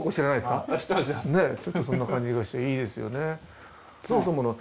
ちょっとそんな感じがしていいですよね。